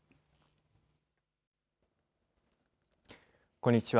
こんにちは。